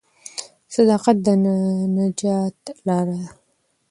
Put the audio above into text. صداقت د نجات لار ده.